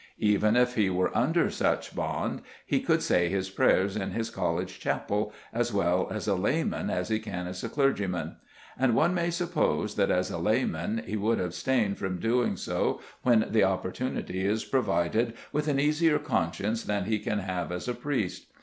Even if he were under such bond he could say his prayers in his college chapel as well as a layman as he can as a clergyman. And one may suppose that as a layman he would abstain from doing so when the opportunity is provided with an easier conscience than he can have as a priest.